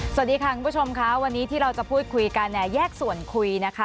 สวัสดีค่ะคุณผู้ชมค่ะวันนี้ที่เราจะพูดคุยกันเนี่ยแยกส่วนคุยนะคะ